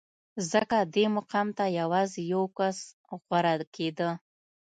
ځکه دې مقام ته یوازې یو کس غوره کېده